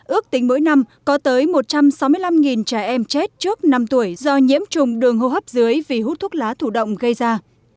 ước tính mỗi năm có tới một trăm sáu mươi năm trẻ em chết trước năm tuổi do nhiễm trùng đường hô hấp dưới vì hút thuốc lá thủ động gây ra